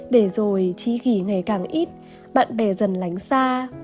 để rồi chi gh ngày càng ít bạn bè dần lánh xa